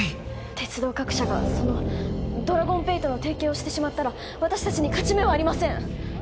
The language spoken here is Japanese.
鉄道各社がそのドラゴンペイとの提携をしてしまったら私達に勝ち目はありません！